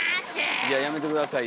いややめて下さいよ